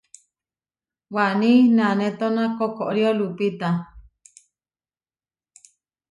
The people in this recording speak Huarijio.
Waní nanétona koʼkorió lupita.